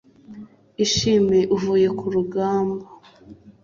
ishime uvuye ku rugamba